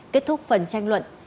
kết thúc phần tranh luận